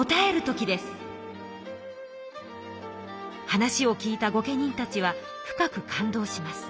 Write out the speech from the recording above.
話を聞いた御家人たちは深く感動します。